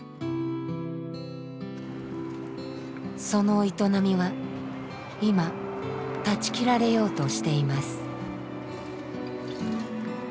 その営みは今断ち切られようとしています。